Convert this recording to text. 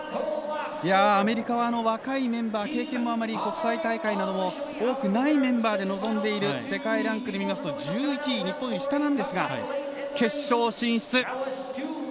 アメリカは、若いメンバー経験もあまり国際大会なども多くないメンバーで臨んでいる、世界ランクで見ると１１位、日本より下なんですが決勝進出！